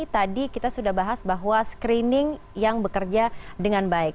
tadi kita sudah bahas bahwa screening yang bekerja dengan baik